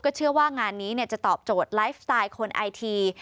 เชื่อว่างานนี้จะตอบโจทย์ไลฟ์สไตล์คนไอที